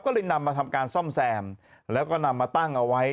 ก็เลยนำมาทำการซ่อมแซมแล้วก็นำมาตั้งเอาไว้